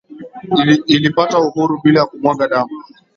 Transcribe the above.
ilipata uhuru bila ya kumwaga damu